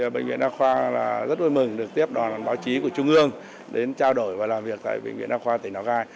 bệnh viện a khoa rất vui mừng được tiếp đoàn báo chí của trung ương đến trao đổi và làm việc tại bệnh viện a khoa tỉnh nói gai